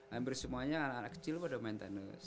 hampir semuanya anak anak kecil pada main tenis